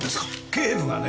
警部がね